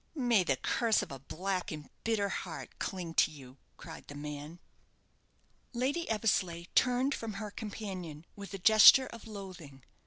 "May the curse of a black and bitter heart cling to you!" cried the man. Lady Eversleigh turned from her companion with a gesture of loathing.